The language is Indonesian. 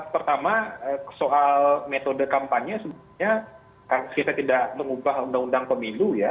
pertama soal metode kampanye sebenarnya kita tidak mengubah undang undang pemilu ya